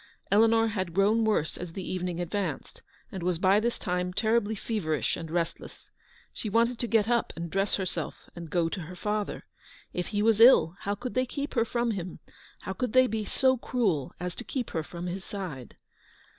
Eleanor had grown worse as the evening advanced, and was by this time terribly feverish and restless. She wanted to get up and dress herself, and go to her father. If he was ill, how could they keep her from him, how could they be so cruel as to keep her from his side